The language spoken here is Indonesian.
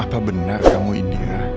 apa benar kamu indira